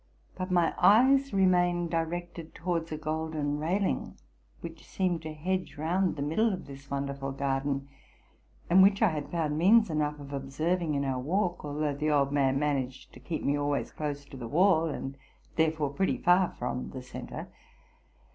But my eyes remained directed towards a golden railing, which seemed to hedge round the middle of this wonderful garden, and which ia had found means enough of observing in our walk; although the old man managed to keep me always close to the wall, and there fore pretty far from the centre.